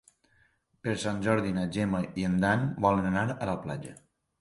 Per Sant Jordi na Gemma i en Dan volen anar a la platja.